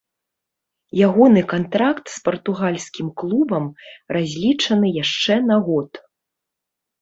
Ягоны кантракт з партугальскім клубам разлічаны яшчэ на год.